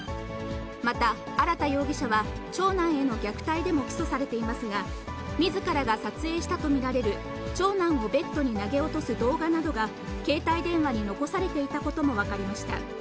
また、荒田容疑者は長男への虐待でも起訴されていますが、みずからが撮影したと見られる長男をベッドに投げ落とす動画などが、携帯電話に残されていたことも分かりました。